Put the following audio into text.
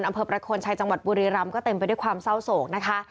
อำเภอประโคนชัยจังหวัดบุรีรำก็เต็มไปด้วยความเศร้าโศกนะคะ